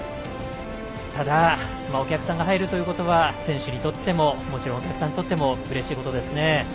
ただお客さんが入るということは選手にとってももちろんお客さんにとってもうれしいことですね。